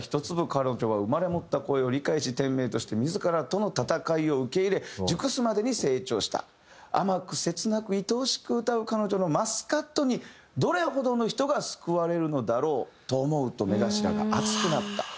「彼女は産まれ持った声を理解し天命として自らとの闘いを受け入れ熟すまでに成長した」「甘く“切なく”“愛おしく”歌う彼女の“マスカット”にどれほどの人が救われるのだろうと思うと目頭が熱くなった」